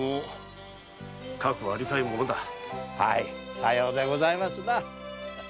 さようでございますな。